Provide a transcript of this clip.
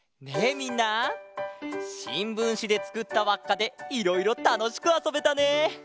みんなしんぶんしでつくったわっかでいろいろたのしくあそべたね！